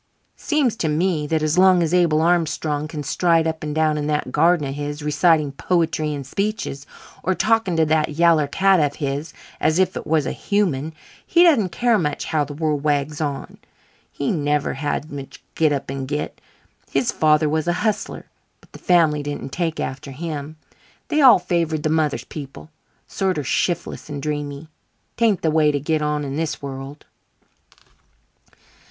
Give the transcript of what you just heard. Seems to me that as long as Abel Armstrong can stride up and down in that garden of his, reciting poetry and speeches, or talking to that yaller cat of his as if it was a human, he doesn't care much how the world wags on. He never had much git up and git. His father was a hustler, but the family didn't take after him. They all favoured the mother's people sorter shiftless and dreamy. 'Taint the way to git on in this world."